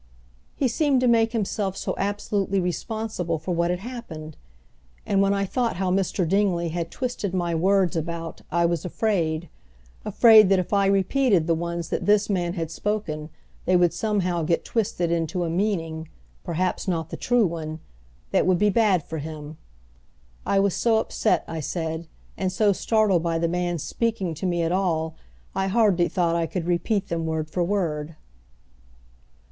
He seemed to make himself so absolutely responsible for what had happened! And when I thought how Mr. Dingley had twisted my words about I was afraid afraid that if I repeated the ones that this man had spoken they would somehow get twisted into a meaning perhaps not the true one that would be bad for him. I was so upset, I said, and so startled by the man's speaking to me at all I hardly thought I could repeat them word for word.